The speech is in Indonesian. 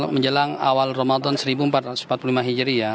menjelang awal ramadan seribu empat ratus empat puluh lima hijri ya